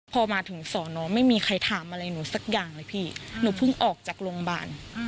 พอมาถึงสอนอไม่มีใครถามอะไรหนูสักอย่างเลยพี่หนูเพิ่งออกจากโรงพยาบาล